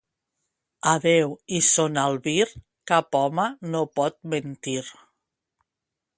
A Déu i son albir, cap home no pot mentir.